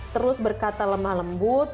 terus berkata lemah lembut